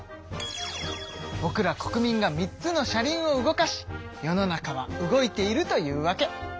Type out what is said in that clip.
ぼくら国民が３つの車輪を動かし世の中は動いているというわけ。